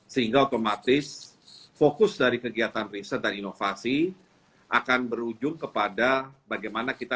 sehingga otomatis fokus dari kegiatan riset dan inovasi akan berujung kepada bagaimana kita